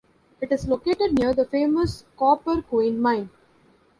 It is located near the famous Copper Queen Mine.